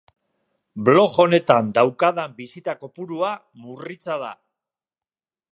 Blog honetan daukadan bisita kopurua murritza da.